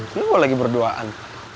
kenapa lagi berduaan